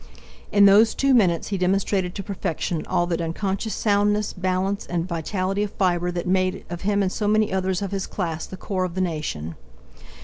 In those two minutes he demonstrated to perfection all that unconscious soundness, balance, and vitality of fibre that made, of him and so many others of his class the core of the nation.